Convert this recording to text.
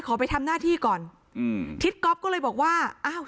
ไปทำหน้าที่ก่อนอืมทิศก๊อฟก็เลยบอกว่าอ้าว